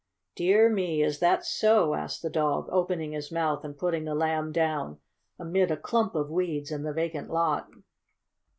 "Dear me! is that so?" asked the dog, opening his mouth and putting the Lamb down amid a clump of weeds in the vacant lot.